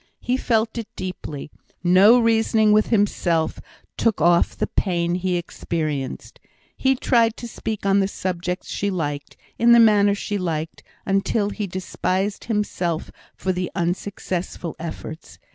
He felt it deeply; no reasoning with himself took off the pain he experienced. He tried to speak on the subjects she liked, in the manner she liked, until he despised himself for the unsuccessful efforts.